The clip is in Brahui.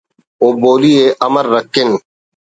و بولی ءِ امر رکھن